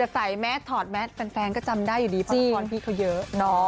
แต่ใส่แมสถอดแมสแฟนก็จำได้อยู่ดีเพราะของพี่เค้าเยอะ